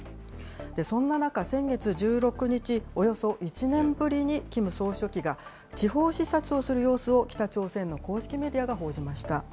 そんな中、先月１６日、およそ１年ぶりにキム総書記が地方視察をする様子を北朝鮮の公式メディアが報じました。